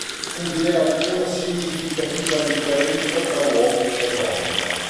Non vi è alcuna significativa differenza tra uomini e donne.